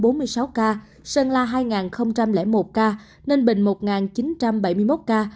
ninh phúc hai bốn mươi sáu ca sơn la hai một ca ninh bình một chín trăm bảy mươi một ca